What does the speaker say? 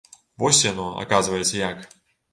Вось яно, аказваецца, як!